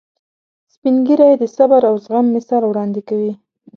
سپین ږیری د صبر او زغم مثال وړاندې کوي